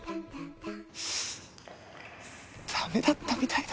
ダメだったみたいだ。